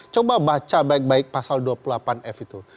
coba baca baik baik pasal dua puluh delapan f itu